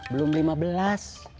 belum lima belas